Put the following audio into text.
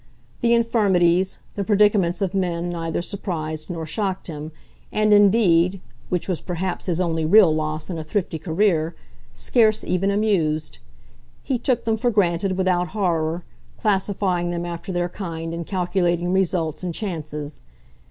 The infirmities, the predicaments of men neither surprised nor shocked him, and indeed which was perhaps his only real loss in a thrifty career scarce even amused; he took them for granted without horror, classifying them after their kind and calculating results and chances.